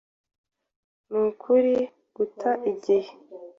Nukuri guta igihe.